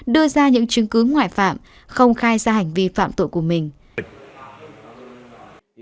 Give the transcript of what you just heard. đưa ra những chứng cứ ngoại phạm không khai ra hành vi phạm tội của mình